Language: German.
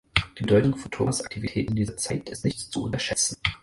Die Bedeutung von Thomas Aktivitäten in dieser Zeit ist nicht zu unterschätzen.